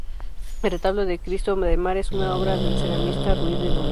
El retablo del Cristo del Mar es obra del ceramista Ruiz de Luna.